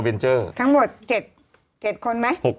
อัลเวนเจอร์ทั้งหมด๗คนไหม๖คน